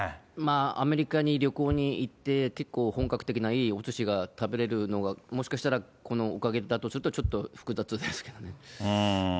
アメリカに旅行に行って、結構本格的ないいおすしが食べれるのが、もしかしたらこのおかげだとすると、ちょっと複雑ですけどね。